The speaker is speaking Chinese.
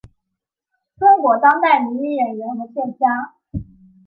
中国当代女演员和作家。